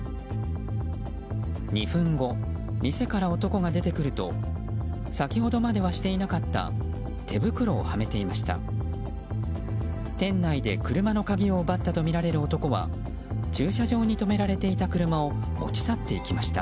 ２分後、店から男が出てくると先ほどまではしていなかった手袋をはめていました。